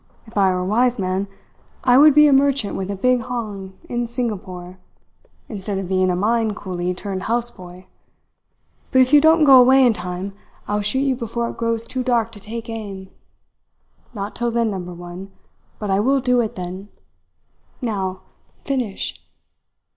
'If I were a wise man, I would be a merchant with a big hong in Singapore, instead of being a mine coolie turned houseboy. But if you don't go away in time, I will shoot you before it grows too dark to take aim. Not till then, Number One, but I will do it then. Now finish!'